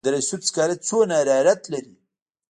د دره صوف سکاره څومره حرارت لري؟